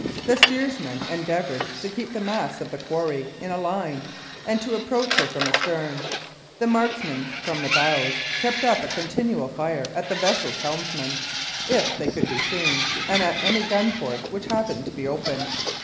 The steersman endeavored to keep the masts of the quarry in a line, and to approach her from astern. The marksmen from the bows kept up a continual fire at the vessel's helmsmen, if they could be seen, and at any gun ports which happened to be open.